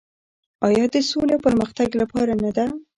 آیا د سولې او پرمختګ لپاره نه ده؟